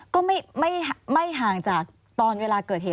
ก็ไม่ห่างจากตอนเวลาเกิดเหตุ